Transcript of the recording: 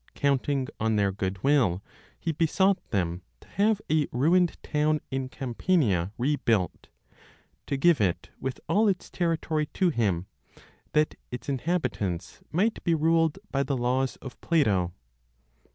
Counting on their good will, he besought them to have a ruined town in Campania rebuilt, to give it with all its territory to him, that its inhabitants might be ruled by the laws of Plato.